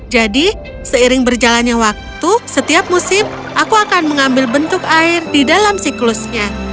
jadi seiring berjalannya waktu setiap musim aku akan mengambil bentuk air di dalam siklusnya